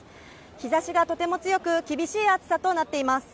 日ざしがとても強く厳しい暑さとなっています。